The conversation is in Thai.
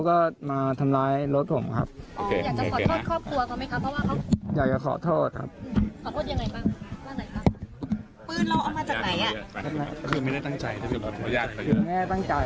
ขอโทษยังไงบ้างรหนไหนครับรวมพื้นเราเอามาจากไหนอะก็เฟื่อก็เคยทรงเพื่อตั้งใจ